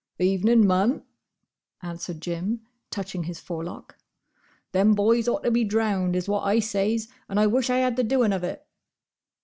"'Evening, mum!" answered Jim, touching his forelock. "Them boys ought to be drownded, is what I says; and I wish I had the doing of it."